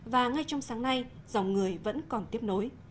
và ngay trong sáng nay dòng người vẫn còn tiếp nối